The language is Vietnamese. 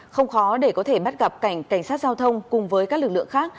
không khó để có thể mắt gặp cảnh cảnh sát giao thông cùng với các lực lượng khác